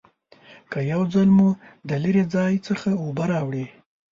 که یو ځل مو د لرې ځای څخه اوبه راوړي